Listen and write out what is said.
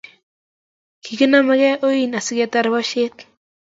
kiginamegei oin asigeterter boishet